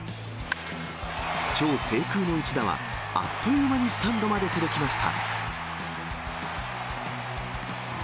超低空の一打は、あっという間にスタンドまで届きました。